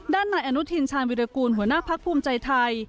นายอนุทินชาญวิรากูลหัวหน้าพักภูมิใจไทย